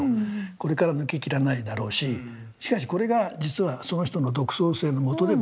これから抜けきらないだろうししかしこれが実はその人の独創性のもとでもあるんだよね。